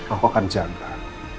aku akan jatuh